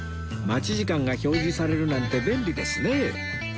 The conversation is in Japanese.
待ち時間が表示されるなんて便利ですね